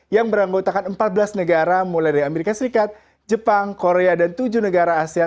yang beranggotakan empat belas negara mulai dari amerika serikat jepang korea dan tujuh negara asean